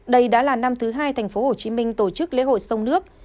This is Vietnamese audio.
đây đã là năm thứ hai tp hcm tổ chức lễ hội sông nước